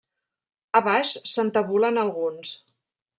A baix se'n tabulen alguns.